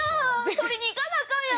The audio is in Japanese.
取りに行かなアカンやん！」